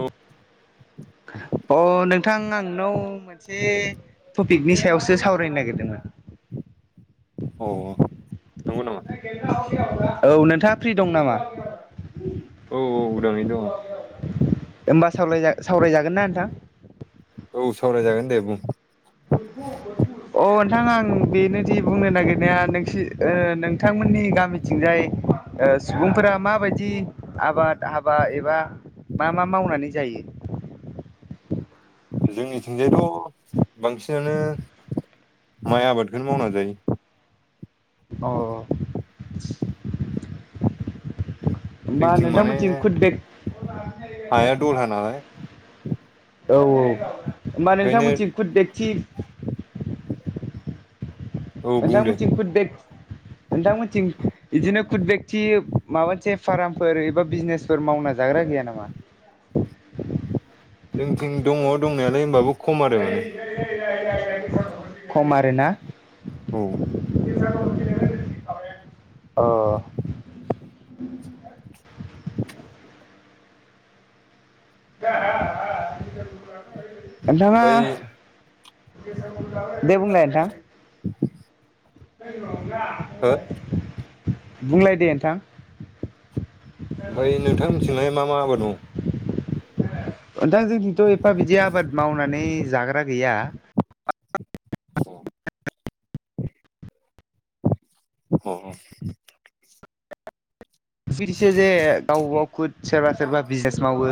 औ [inaudible] अ नोंथां आंनाव मोनसे टपिकनि सायावसो सावरायनो नागिरदोंमोन? [inaudible] औ नंगौ नामा औ नोंथाङा फ्रि दं नामा? औ औ उदाङैनो दङ। होमबा सावलाय सावरायजागोन ना नोंथां? औ सावरायजागोन दे बुं। अ नोंथां आं बेनोदि बुंनो नागिरनाया नोंसि ओ नोंथां नि गामिथिंजाय सुबुंफोरा माबायदि आबाद हाबा एबा मा मा मावनानै जायो? जोंनिथिंजायाथ' बांसिनानो माइ आबादखौनो मावना जायो। औ जोंनिथिं माने खुद बेक हाया दलहा नालाय औ औ होनबा नोंथां ओंखायनो मोनथि गुद बिखथि [inaudible] बुंदो नोंथांमोनथिं खुथ बेक नोंथांमोनथिं बिदिनो खुदबक्ति माबा मोनसे फार्मफोर एबा बिजनेसफोर मावना जाग्रा गैया नामा [unintelligible] जोंथिं दङ दंनायालाय होमबाबो खम आरो माने [unintelligible] खम आरोना औ [unintelligible] अ [unintelligible] [unintelligible] नोंथाङा ओमफ्राय दे बुंलाय नोंथां [unintelligible] हो बुंलाय दे नोंथां ओमफ्राय नोंथां मिथिनाय मा मा आबाद दं जोंनिथ' एफा बिदि आबाद मावनानै जाग्रा गैया औ औ बिदिसो जे गावब गाव खुद सोरबा सोरबा बिजनेस मावो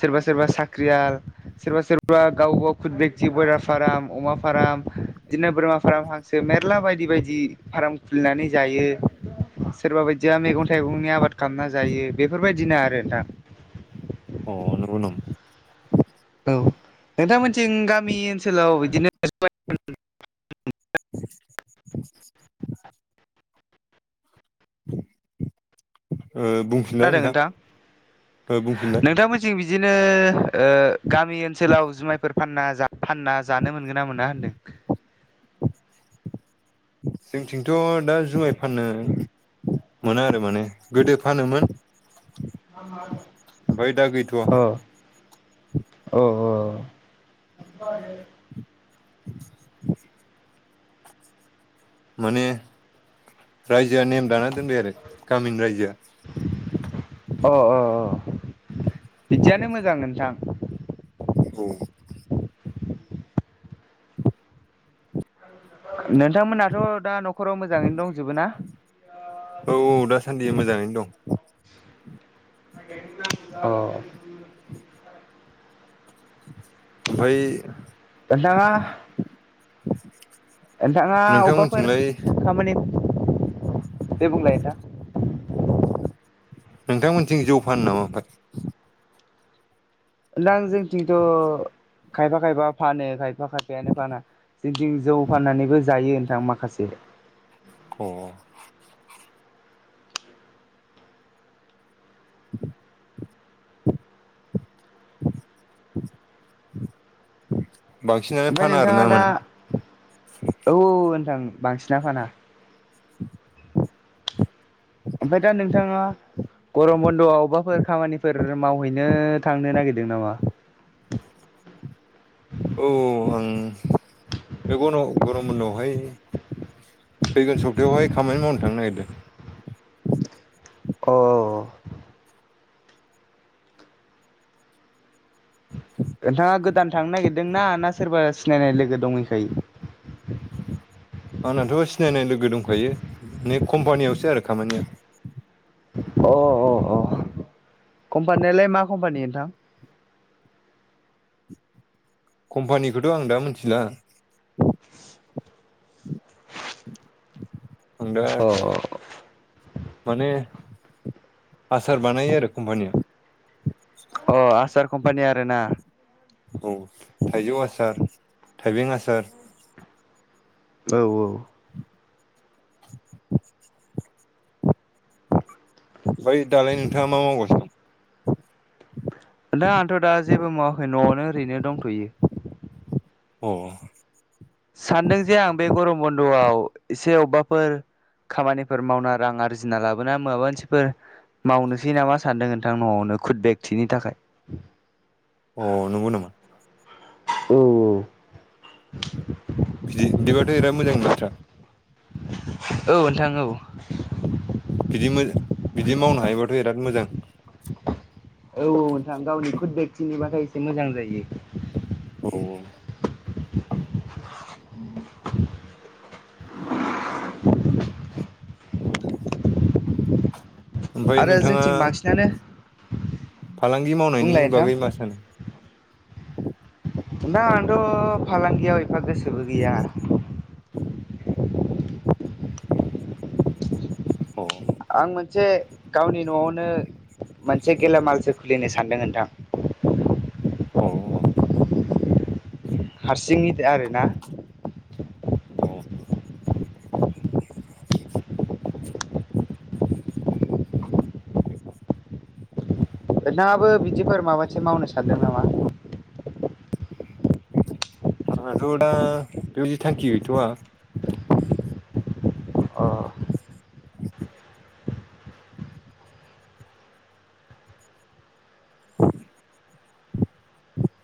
सोरबा सोरबा साख्रियाल सोरबा सोरबा गावब गाव खुद बेक्थि ब्रयलार फार्म अमा फार्म बिदिनो बोरमा फार्म हांसो मेरला बायदि बायदि फार्म खुलिनानै जायो सोरबा बायदिया मैगं थाइगं आबाद खालामना जायो बेफोरबायदिनो आरो दा अ नंगौ नामा थिं गामि ओनसोलाव बिदिनो [unintelligible] बुंफिनलनाय खोनादों नोंथां नोंथां बुंफिननाय नोंथांमोनथिं बिदिनो गामि ओनसोलाव जुमायफोर फानना जाब फानना जानो मोनगोन ना मोना होनदों जोंथिंथ' दा जुमाय फानो मोनो आरो माने गोदो फानोमोन ओमफ्राय दा गैथ'वा औ औ [unintelligible] माने रायजोआ नेम दाना दोनबाय आरो गामिनि रायजोआ अ अ बिदियानो मोजां नोंथां औ नोंथांमोनाथ' दा न'खराव मोजाङैनो दंजोबो ना औ दासान्दि मोजाङैनो दं औ [unintelligible] ओमफाय [unintelligible] [unintelligible] नोंथाङा अबेबाफोर नोंथांमोनथिंलाय खामानि दे बुंलाय दा नोंथांमोनथिं जौ फानो नामाफोर दां जोंथिंथ' खायफा खायबा फानो खायफा खायफायानो फाना जोंथिं जौ फाननानैबो जायो नोंथां माखासे अ [unintelligible] [unintelligible] बांसिनानो ओमफ्राय फाना नोंथाङा आरोना दा माने औ औ नोंथां बांसिना फाना [inaudible] ओमफ्राय दा नोंथांङा गरम बन्द'आव अबेबाफोर खामानिफोर मावहैनो थांनो नागिरदों नामा औ आं बेखौन गरम उनावहाय फैगोन सप्तायावहाय खामानि मावनो थांनो नागिरदों अ नोंथांङा गोदान थांनो नागिरदों ना ना सोरबा सिनायनाय लोगो दंहैखायो? आंनाथ' सिनायनाय लोगो दंखायो बे कम्पानियावसो आरोखि खामानिया अ अ अ कम्पानियालाय मा कम्पानि नोंथां? कम्पानिखौथ' आं दा मिथिला आं अ [unintelligible] माने आसार बानायो आरो कम्पानिया अ आसार कम्पानि आरोना औ थाइजौ आसार थाइबें आसार औ औ [inaudible] ओै दालाय नोंथांङा मा मावगोन? नो ओरैनो दंथ'यो। अ सानदों जे आं बे गरम बन्द'आव एसे अबेबाफोर खामानिफोर मावना रां आरजिना लाबोना माबा मोनसेफोर मावनोसै नामा सानदों नोंथां न'आवनो खुदबेकथिनि थाखाय अ नंगौ नामा औ बिदि बिदिबाथ' बिराद मोजांनि बाथ्रा। औ नोंथां औ बिदि बिदि मावनो हायोबाथ' बिराद मोजां औ नोंथां गावनि कुदबेकथिनिबाथाय एसे मोजां जायो। औ औ [inaudible] [inaudible] ओमफ्राय आरो नोंथांङा जोंथिं बांसिनानो फालांगि मावनायनि बुंलाय नोंथां बागै मा सानो औ दा आंथ' फालांगियाव एफा गोसोबो गैया। औ [unintelligible] आं मोनसे गावनि न'आवनो मोनसे गेलामालसो खुलिनो सानदों नोंथां अ हारसिं दै आरोना औ [unintelligible] [inaudible] नोंथांङाबो बिदिफोर माबासे मावनो सानदों नामा? आंङाथ' दा बेजि थांखि गैयथ'आ अ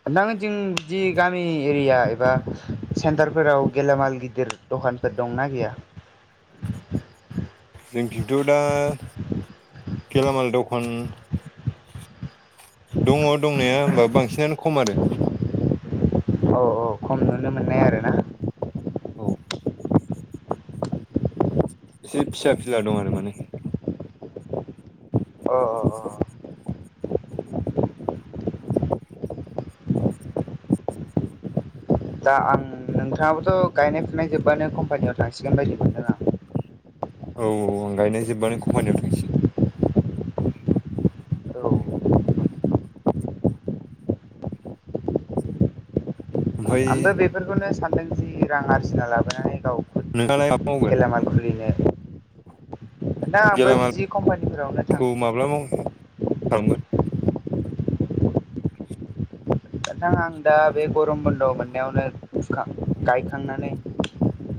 नोंथांथिं जि गामि एरिया एबा सेन्टारफोराव गेलामाल गिदिर दं। दखानफोर दंना गैया? जोंथिंथ' दा गेलामाल दखान दंङ दंनाया ओमबाबो बांसिनानो खम आरो औ औ खम नुनो मोननाय आरोना औ एसे फिसा फिला दं आरो माने। अ अ दा आं नोंथाङाबोथ' गायनाय फुनाय जोब्बानो कम्पानियाव थांसिगोन बायदि मोनदों आं। औ आं गायनाय जोब्बानो कम्पानियाव थांसै। औ ओमफ्राय आंबो बेफोरखौनो सानदों जि रां आरजिना लाबोनानै नोंहालाय मा गाव मावगोन गेलामाल खुलिनो नोंथां आंबो गेलामाल बिदि कम्पानिफोरावनो खौ थांनो सानदों माब्ला माव खालामगोन? नोंथां आं दा बे गरम बन्द मोननायावनो फुखां गायखांनानै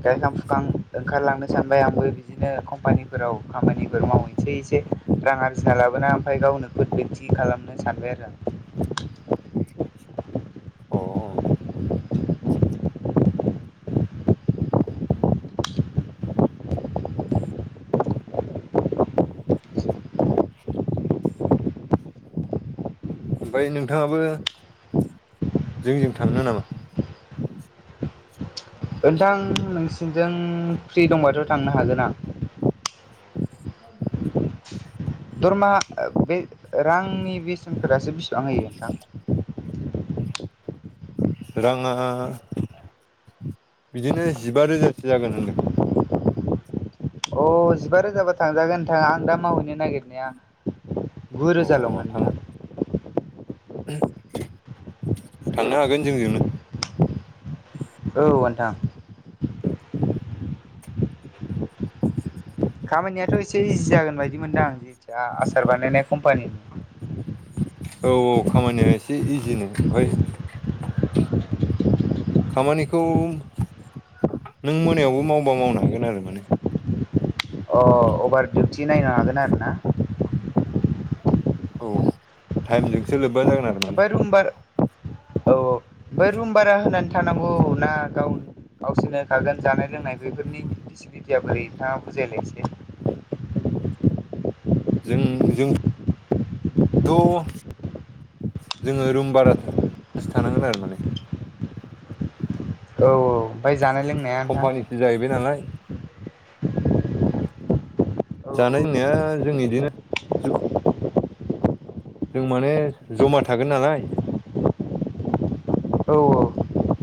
गायखां फुखां ओंखारलांनो सानबाय आंबो बिदिनो कम्पानिफोराव खामानिफोर मावहैसै एसे रां आरजिना लाबोना ओमफ्राय गावनो [unintelligible] खालामनो सानबाय आरो आं ‌‌। [inaudible] अ। [inaudible] [inaudible] ओमफाय नोंथाङाबो जोंजों थांनो नामा? [inaudible] नोंथां नोंसिनिजों फ्रि दंबाथ' थांनो हागोन आं। दरमाहा ओ बे रांनि बेसेनफोरासो बेसेबां होयो नोंथां? राङा बिदिनो जिबा रोजासो जागोन होनदों। अ जिबा रोजाबा थांजागोन नोंथाङ आं दा मावहैनो नागिरनाया अ गुरोजाल'मोन थां नोंथां। थांनो हागोन जोंजोंनो। औ नोंथां। खामानियाथ' एसे इजि जागोन बायदि मोनदों आं जेथिया आसार बानायनाय कम्पानिनि औ औ खामानिया एसे इजिनो ओमफ्राय खामानिखौ नों मोनायावबो मावबा मावनो हागोन आरो माने। अ अभार डिउटि नायनो हागोन आरो ना? औ थाइम जोंसो लो ओमफ्राय रूम बार औ औ ओमफाय रुम भारा होनानै थानांगौ ना गाव गावसोरनो होखागोन जानाय लोंनाय बेफोरनि फेसिलिटिया बोरै नोंथाङा बुजायलाय एसे। जों जों थ' जोङो रुम बारा [unintelligible] थानांगोन आरो माने। औ औ ओमफाय जानाय लोंनाया नोंथां? कम्पानिसो जाहैबाय नालाय औ जानाय लोंनाया जों बिदिनो ज ' जों माने जमा थागोन नालाय औ औ।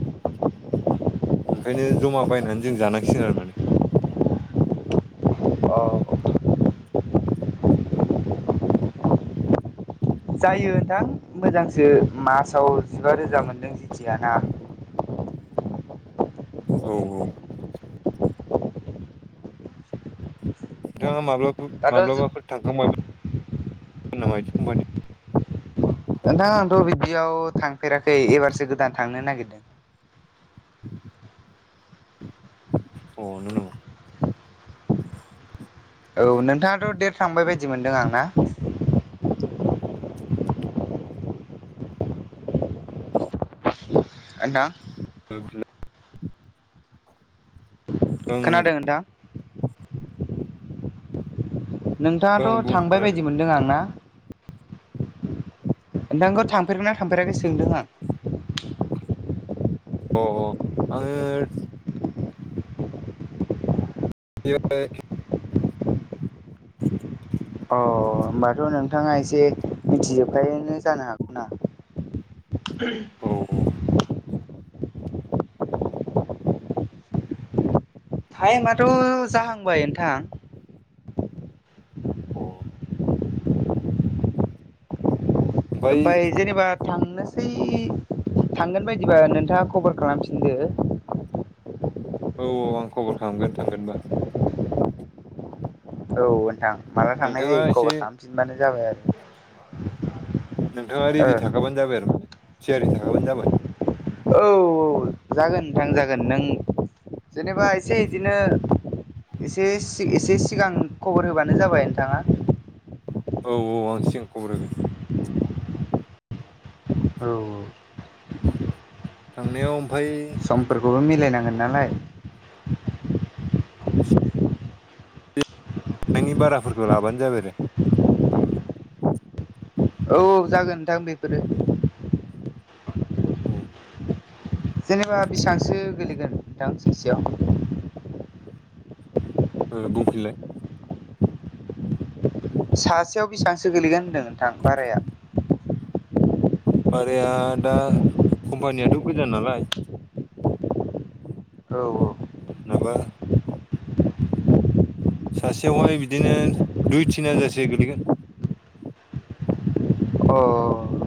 ओंखायनो जमा बायनानै जों जानांसिगोन आरो माने। औ अ [inaudible] जायो नोंथां मोजांसो मासाव जिबा रोजा मोनदों जेथिया ना? औ औ। नोंथाङा माब्ला दाथ' माब्लाबाफोर थांखांबायबा [unintelligible] नोंथां आंथ' बिदियाव थांफेराखै एबारसो गोदान थांनो नागिरदों। [unintelligible] औ नोंथाङाथ' देेर थांबाय बायदि मोनदों आं ना [inaudible] नोंथां? औ [unintelligible] खोनादों नोंथां ओं नोंथाङाथ' बुं थांबाय खोनादों बायदि मोनदों आंना नोंथांखौ थांफेरगा थांफेराखै सोंदों आं अ आङो [unintelligible] अ होनबाथ' नों नोंथाङा एसे मिथिजोबखायोआनो जानो हागौ ना [inaudible] [inaudible] टाइमाथ' जाहांबाय नोंथां। [inaudible] ओमफ्राय जेनेबा थां थांनोसै थांगोन बायदिबा नोंथाङा खबर खालामफिनदो औ औ आं खबर खालामगोन थांगोनबा औ नोंथां माला थांनाय नोंथाङा जायो एसे खबर खालामफिनबानो जाबाय आरो नोंथाङा रेडि थाखाबानो जाबाय आरो थियारि थाखाबानो जाबाय औ औ जागोन नोंथां जागोन नों जेनेबा एसे इदिनो एसे एसे सिगां खबर होबानो जाबाय नोंथाङा औ औ आं सिगां खबर होगोन औ थांनायाव ओमफ्राय समफोरखौबो मिलायनांगोन नालाय मानि बारायफोरखौ लाबानो जाबाय आरो औ जागोन नोंथां बेफोरो [inaudible] जेनेबा बेसेबांसो गोलैगोन नोंथां सासेयाव बुंफिनलाय सासेयाव बेसेबांसो गोलैगोन होनदों नोंथां बाराया भाराया दा कम्पानियाथ' गोजान नालाय औ औ माबा सासेयावहाय बिदिनो दुइ तिन हाजारसो गोलैगोन। अ